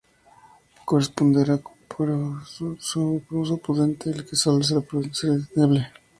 Corresponderá pues su uso prudente, el que solo será posible.